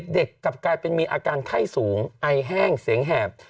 กลับกลายเป็นมีอาการไข้สูงไอแห้งเสียงแหบ